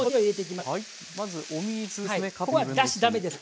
まずお水ですね。